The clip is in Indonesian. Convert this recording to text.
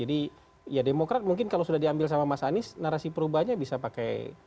jadi ya demokrat mungkin kalau sudah diambil sama mas anies narasi perubahannya bisa pakai